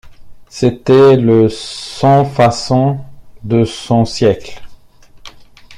C’était le sans-façon de son siècle.